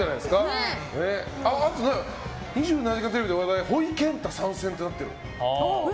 「２７時間テレビ」で話題ほいけんた参戦ってなってる。